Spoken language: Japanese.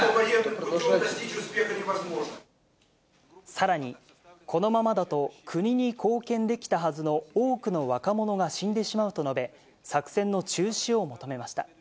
さらに、このままだと国に貢献できたはずの多くの若者が死んでしまうと述べ、作戦の中止を求めました。